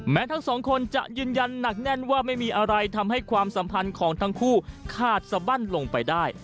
ทั้งสองคนจะยืนยันหนักแน่นว่าไม่มีอะไรทำให้ความสัมพันธ์ของทั้งคู่ขาดสบั้นลงไปได้